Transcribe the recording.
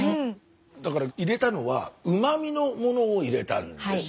だから入れたのはうま味のものを入れたんです。